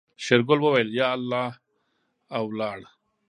شېرګل وويل يا الله او ولاړ.